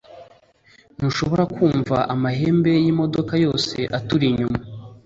Ntushobora kumva amahembe yimodoka yose aturinyuma